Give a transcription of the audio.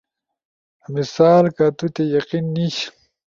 مثال، کہ تو تے یقین نیِش؟